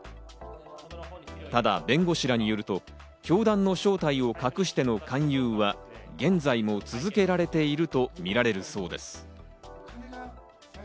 ただ弁護士らによると、教団の正体を隠しての勧誘は現在も続けられているとみられるそうです。